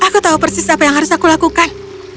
aku tahu persis apa yang harus aku lakukan